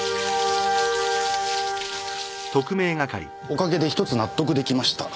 おかげで１つ納得出来ました。